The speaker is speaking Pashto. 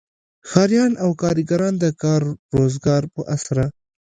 ښاریان او کارګران د کار روزګار په اسره.